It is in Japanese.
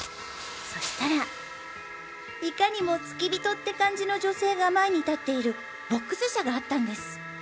そしたらいかにも付き人って感じの女性が前に立っているボックス車があったんです。